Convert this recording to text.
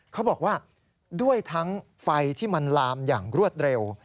เขาบอกว่าด้วยทั้งไฟที่มันลามอย่างรวดเร็ว